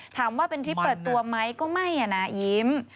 ถามว่าเป็นทริปเปิดตัวไหมก็ไม่นะยิ้ม